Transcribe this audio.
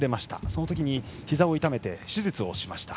そのとき、ひざを痛めて手術をしました。